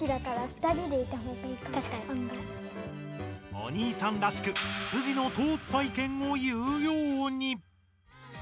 おにいさんらしく筋の通った意見を言うように。